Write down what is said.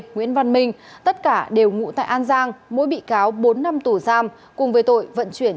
nguyễn văn minh tất cả đều ngụ tại an giang mỗi bị cáo bốn năm tù giam cùng với tội vận chuyển